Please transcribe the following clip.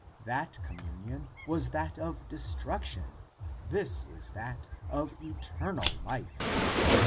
That communion was that of destruction, this is that of eternal life.